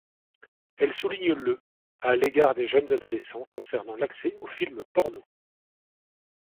Elle souligne le à l'égard des jeunes adolescents concernant l'accès aux films pornos.